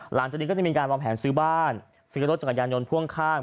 หลังจากนี้ก็จะมีการวางแผนซื้อบ้านซื้อรถจักรยานยนต์พ่วงข้าง